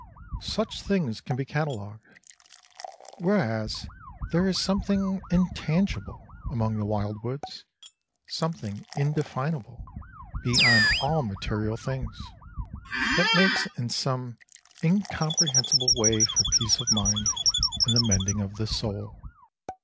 Such things can be catalogued; whereas there is something intangible among the wild woods, something indefinable, beyond all material things, that makes in some incomprehensible way for peace of mind and the mending of the soul.